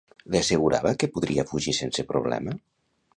Li assegurava que podria fugir sense problema?